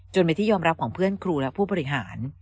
จนเป็นที่ยอมรับของเพื่อนครูและผู้บริหาร